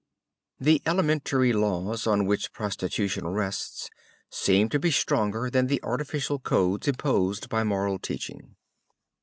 The elementary laws on which prostitution rests seems to be stronger than the artificial codes imposed by moral teaching.